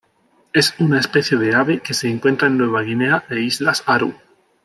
Es una especie de ave que se encuentra en Nueva Guinea e islas Aru.